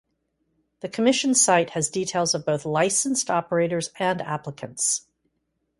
The Commission's site has details of both licensed operators and applicants.